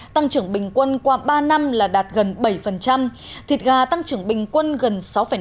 tăng trưởng bình quân qua ba năm là đạt gần bảy thịt gà tăng trưởng bình quân gần sáu năm